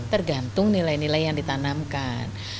tergantung nilai nilai yang ditanamkan